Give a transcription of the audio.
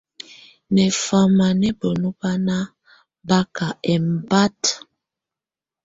Nɛfama nɛ̀ bǝnu bana baka ɛmbata.